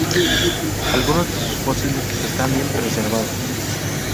Algunos de sus fósiles están bien preservados.